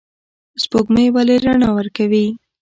سپوږمۍ ولې رڼا ورکوي؟